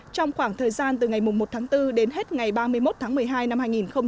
trong khoảng thời gian từ ngày một tháng bốn đến hết ngày ba mươi một tháng một mươi hai năm hai nghìn hai mươi